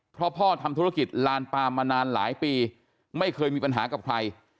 เพราะพ่อทำธุรกิจลานปามมานานหลายปีไม่เคยมีปัญหากับใคร